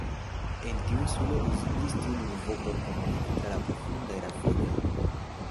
En tiu insulo uziĝis tiu lingvo por komuniki tra la profundaj ravinoj.